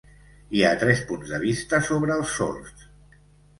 Hi ha tres punts de vista sobre els sords.